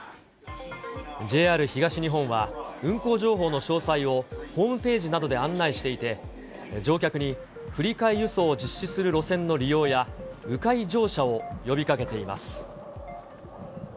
ＪＲ東日本は、運行情報の詳細をホームページなどで案内していて、乗客に振り替え輸送を実施する路線の利用や、う回乗車を呼びかけています。